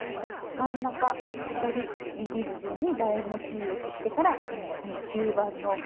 真ん中左右の順にだ円の周囲を切ってから吸盤の縁